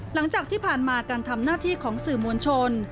หลังจากที่ผ่านมาการทำหน้าที่ของสื่อมวลชน